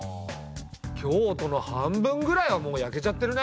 京都の半分ぐらいはもう焼けちゃってるね。